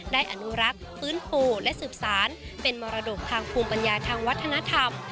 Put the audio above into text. อนุรักษ์ฟื้นฟูและสืบสารเป็นมรดกทางภูมิปัญญาทางวัฒนธรรม